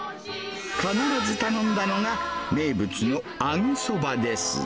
必ず頼んだのが、名物の揚げそばです。